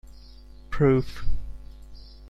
Proof.